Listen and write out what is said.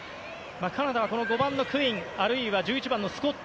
カナダは５番のクインあるいは１１番のスコット